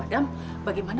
anak saya haveper sepenuhnya